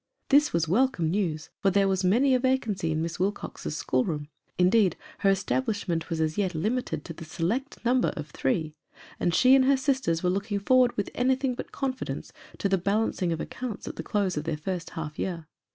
This was welcome news, for there was many a vacancy in Miss Wilcox's school room ; indeed, her establishment was as yet limited to the select number of three, and she and her sisters were looking forward with anything but confidence to the balancing of accounts at the close of their first half year.